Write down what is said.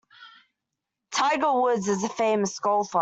Tiger Woods is a famous golfer.